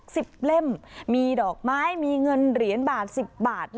เล่มมีดอกไม้มีเงินเหรียญบาทสิบบาท